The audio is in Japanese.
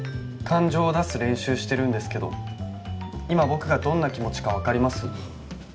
感情を出す練習してるんですけど今僕がどんな気持ちかわかります？